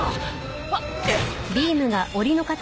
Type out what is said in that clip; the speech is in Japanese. あっ！